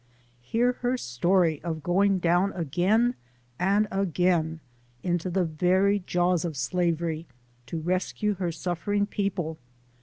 Hear htr story of going down again and again into the very jaws of slavery, to rescue her suffering people